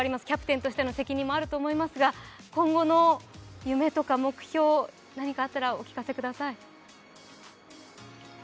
キャプテンとしての責任もあると思いますが今後の夢とか目標、何かあったらお聞かせください。